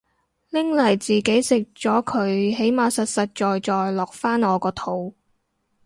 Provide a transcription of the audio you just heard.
拎嚟自己食咗佢起碼實實在在落返我個肚